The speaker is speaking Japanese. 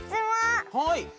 はい。